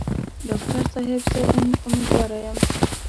ډاکټر صاحب زه امیندواره یم.